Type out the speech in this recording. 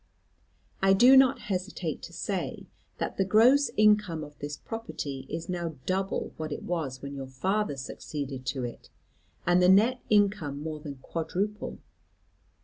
I do not hesitate to say that the gross income of this property is now double what it was when your father succeeded to it, and the net income more than quadruple.